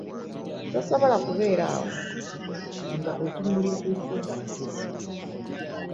Tosobola kubeera awo nga otunulira ebigenda mumaaso.